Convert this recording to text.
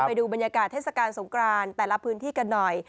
ไปดูบรรยากาศเทศกาลสงครานแต่ละพื้นที่กันหน่อย